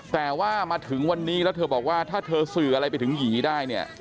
แต่ว่ามาถึงวันนี้แล้วเธอบอกว่าถ้าเธอสื่ออะไรไปถึงหยีได้เนี่ย